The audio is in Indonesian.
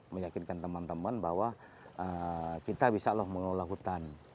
meyakinkan teman teman bahwa kita bisa loh mengelola hutan